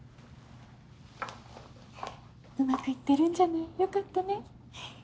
うまくいってるんじゃない良かったね。